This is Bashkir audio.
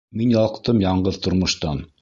Мин ялҡтым яңғыҙ тормоштан!